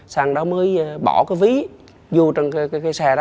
xăng đó mới bỏ cái ví vô trong cái xe đó